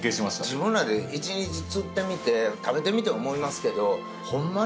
自分らで一日釣ってみて食べてみて思いますけどホンマ